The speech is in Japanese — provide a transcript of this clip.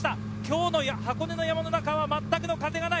今日の箱根の山の中は全く風がない。